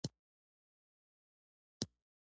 د خولې لاړې ورسره ګډوي.